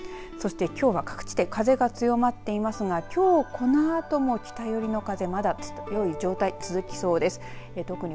そして、きょうは各地で風が強まっていますがきょう、このあとも北寄りの風まだ強い状態、続きそうです。